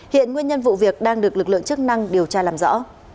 hiện nguyên nhân vụ việc đang được lực lượng chức năng điều tra làm rõ